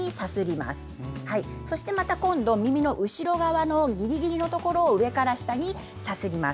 また今度、耳の後ろ側ぎりぎりのところを上から下にさすります。